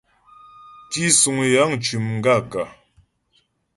Tísuŋ yəŋ cʉ́ m gaə̂kə̀ ?